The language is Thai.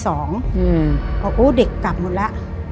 โอ้โหเด็กกลับหมดละ